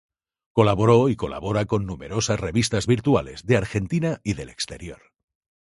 Colaboró y colabora con numerosas revistas virtuales de Argentina y del exterior.